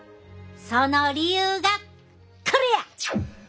その理由がこれや！